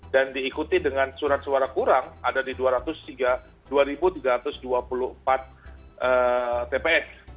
dan diikuti dengan surat suara kurang ada di dua tiga ratus dua puluh empat tps